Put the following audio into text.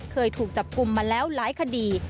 เคยถูกจับกลุ่มมาแล้วหลายคดี